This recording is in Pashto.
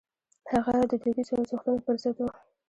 هغه د دودیزو ارزښتونو پر ضد و.